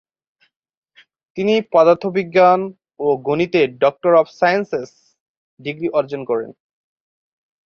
তিনি পদার্থবিজ্ঞান ও গণিতে ডক্টর অব সায়েন্সেস ডিগ্রি অর্জন করেন।